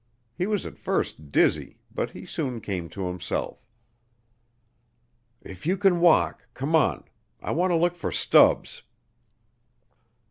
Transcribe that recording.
He was at first dizzy, but he soon came to himself. "If you can walk, come on. I want to look for Stubbs."